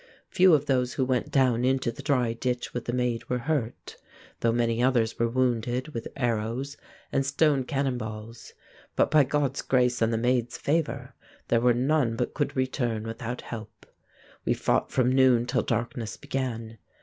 Few of those who went down into the dry ditch with the Maid were hurt, though many others were wounded with arrows and stone cannon balls; but, by God's grace and the Maid's favour, there were none but could return without help. We fought from noon till darkness began.